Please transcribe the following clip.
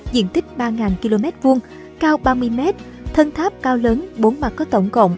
diện tích ba km hai cao ba mươi m thân tháp cao lớn bốn mặt có tổng cộng